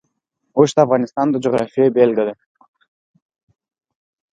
اوښ د افغانستان د جغرافیې بېلګه ده.